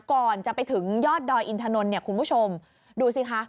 ก่อนจะไปถึงยอดดอยอินทนนท์เนี่ยคุณผู้ชมดูสิคะ